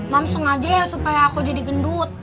langsung aja ya supaya aku jadi gendut